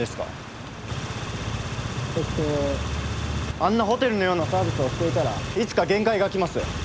あんなホテルのようなサービスをしていたらいつか限界がきます。